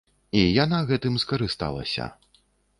І яна гэтым скарысталася.